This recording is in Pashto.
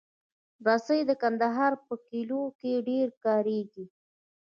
رسۍ د کندهار په کلیو کې ډېره کارېږي.